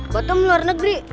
batam luar negeri